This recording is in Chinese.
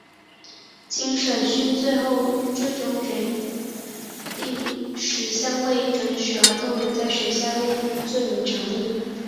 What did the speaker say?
经审讯后最终裁定十项未经准许而逗留在学校内罪名成立。